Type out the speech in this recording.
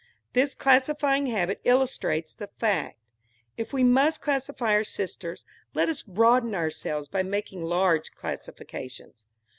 This classifying habit illustrates the fact. If we must classify our sisters, let us broaden ourselves by making large classifications.